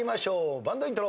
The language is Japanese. バンドイントロ。